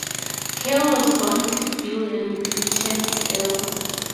Curl was born to Bill and Gretchen Curl.